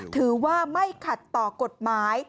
ถือว่าไม่ขัดต่อกฎหมาย